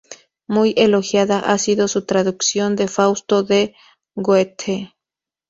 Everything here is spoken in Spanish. Muy elogiada ha sido su traducción de "Fausto" de Goethe.